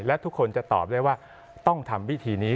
และทุกคนจะตอบได้ว่าต้องทำพิธีนี้